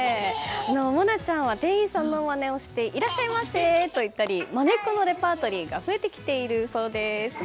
苺奈ちゃんは店員さんのまねをしていらっしゃいませ！と言ったりまねっこのレパートリーが増えてきているそうです。